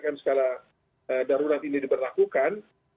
kalau mikro juga tetap berjalan di tingkat rprw dusun kampung desa kelurahan